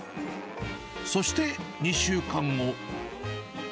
そして２週間後。